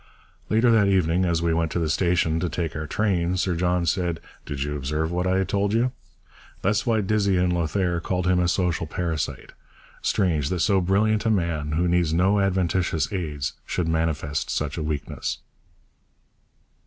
Later that evening, as we went to the station to take our train, Sir John said, 'Did you observe what I told you? That's why Dizzy in Lothair called him a social parasite. Strange that so brilliant a man, who needs no adventitious aids, should manifest such a weakness.'